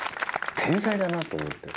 天才だなと思って。